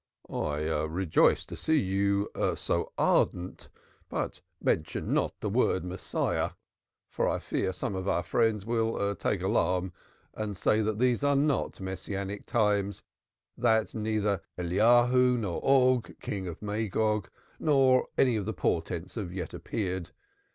"I rejoice to see you so ardent; but mention not the word Messiah, for I fear some of our friends will take alarm and say that these are not Messianic times, that neither Elias, nor Gog, King of Magog, nor any of the portents have yet appeared.